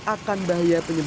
akan bahaya penyakit